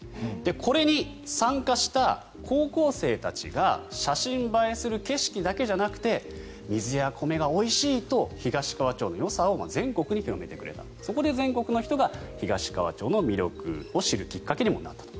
これに参加した高校生たちが写真映えする景色だけじゃなくて水や米がおいしいと東川町のよさを全国に広めてくれたそこで全国の人が東川町の魅力を知るきっかけにもなったと。